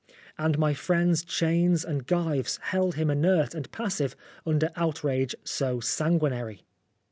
And my friend's chains and gyves held him inert and passive under outrage so sangui nary.